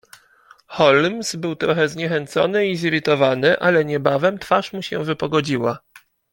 "Holmes był trochę zniechęcony i zirytowany, ale niebawem twarz mu się wypogodziła."